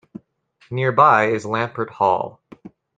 Nearby is Lamport Hall.